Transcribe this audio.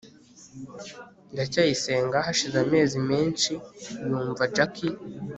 ndacyayisenga hashize amezi menshi yumva jaki